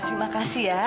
terima kasih ya